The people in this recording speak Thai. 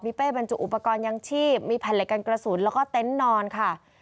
เป้บรรจุอุปกรณ์ยังชีพมีแผ่นเหล็กกันกระสุนแล้วก็เต็นต์นอนค่ะ